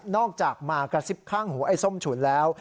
อกจากมากระซิบข้างหูไอ้ส้มฉุนแล้ว